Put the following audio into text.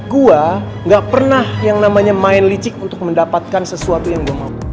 gue gak pernah yang namanya main licik untuk mendapatkan sesuatu yang gue mau